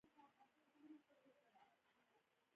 ریشیکیش د یوګا پلازمینه ده.